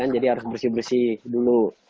jadi harus bersih bersih dulu